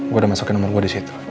gue udah masukin nomer gue disitu